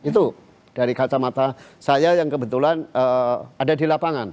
itu dari kacamata saya yang kebetulan ada di lapangan